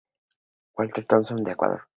Walter Thompson de Ecuador.